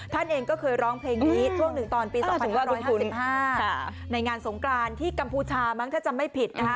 ท่านเองก็เคยร้องเพลงนี้ช่วงหนึ่งตอนปี๒๕๖๕ในงานสงกรานที่กัมพูชามั้งถ้าจำไม่ผิดนะคะ